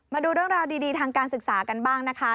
มาดูเรื่องราวดีทางการศึกษากันบ้างนะคะ